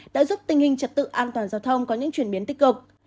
đã giúp tình hình trật tự an toàn giao thông có những chuyển biến tích cực